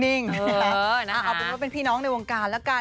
เออนะคะเอาเป็นว่าเป็นพี่น้องในวงการ